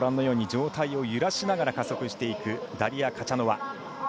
上体を揺らしながら加速していくダリア・カチャノワ。